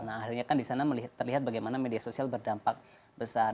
nah akhirnya kan di sana terlihat bagaimana media sosial berdampak besar